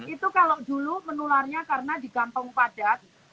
itu kalau dulu menularnya karena di kampung padat